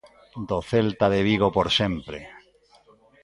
Do Celta de Vigo por sempre.